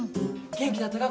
元気だったか？